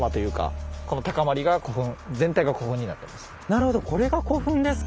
なるほどこれが古墳ですか。